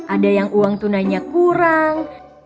ada yang uang tunainya kurang